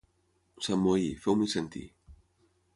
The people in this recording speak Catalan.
Sant Moí, feu-m'hi sentir.